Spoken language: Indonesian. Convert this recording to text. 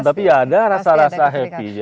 tapi ada rasa rasa happy